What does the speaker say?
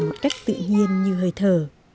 một cách tự nhiên như hơi thở